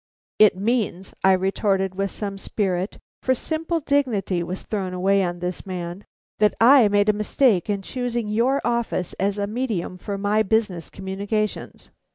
"It means," I retorted with some spirit, for simple dignity was thrown away on this man, "that I made a mistake in choosing your office as a medium for my business communications."